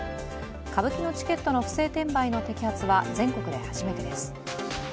歌舞伎のチケットの不正転売の摘発は全国で初めてです。